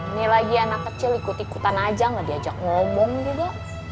ini lagi anak kecil ikut ikutan ajang lah diajak ngomong juga